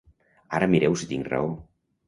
Ara mireu si tinc raó.